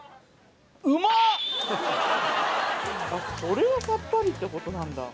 これがさっぱりってことなんだ